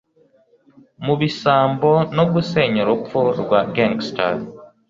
Mubisambo no gusenya urupfu rwa gangster